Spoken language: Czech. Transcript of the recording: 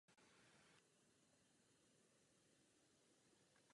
Jedná se o cover verzi singlu "Das Model" skupiny Kraftwerk.